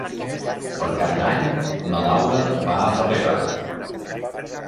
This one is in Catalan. Per Cap d'Any na Laura va a Farrera.